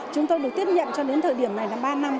chúng tôi được tiếp nhận cho đến thời điểm này là ba năm